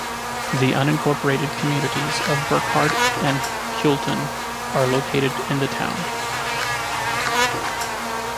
The unincorporated communities of Burkhardt, and Houlton are located in the town.